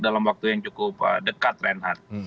dalam waktu yang cukup dekat reinhardt